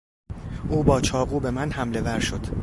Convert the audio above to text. او با چاقو به من حملهور شد.